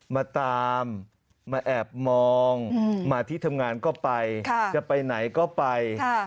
มาตามมาแอบมองมาที่ทำงานก็ไปจะไปไหนก็ไป